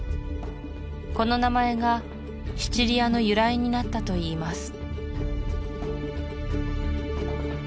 この名前がシチリアの由来になったといいます